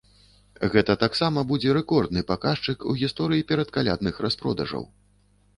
Гэта таксама будзе рэкордны паказчык у гісторыі перадкалядных распродажаў.